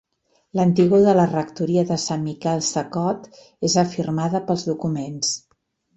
L'antigor de la rectoria de Sant Miquel Sacot és afirmada pels documents.